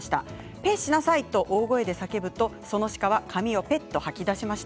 ぺっとしなさいと大声で叫ぶとその鹿は紙をぺっと吐き出しました。